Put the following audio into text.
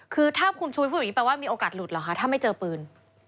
คือถ้าคุณชุวิตพูดอย่างนี้แปลว่ามีโอกาสหลุดเหรอคะถ้าไม่เจอปืน